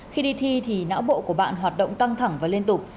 khi đi thi thì não bộ của bạn hoạt động căng thẳng và liên tục